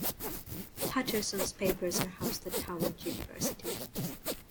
Patterson's papers are housed at Howard University.